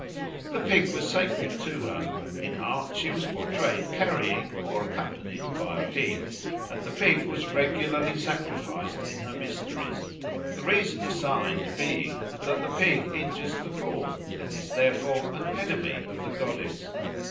The pig was sacred to her; in art she was portrayed carrying or accompanied by a pig; and the pig was regularly sacrificed in her mysteries, the reason assigned being that the pig injures the corn and is therefore an enemy of the goddess.